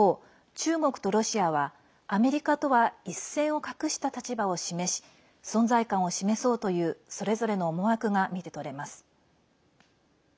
中国とロシアはアメリカとは一線を画した立場を示し存在感を示そうというそれぞれの思惑が見て取れます。